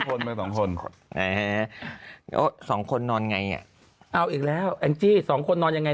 ๒ค่ะ๒คน๒คน๒คน๒คนนอนไงอ้าวอีกแล้วสองคนนอนยังไง